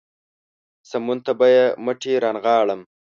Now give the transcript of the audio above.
سمون ته به يې مټې رانغاړم.